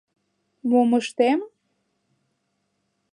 — Мом ыштем?